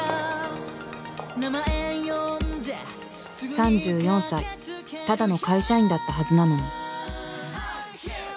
３４歳ただの会社員だったはずなのに。